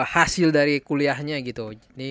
hasil dari kuliahnya gitu